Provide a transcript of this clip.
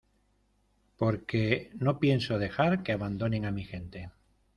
porque no pienso dejar que abandonen a mi gente.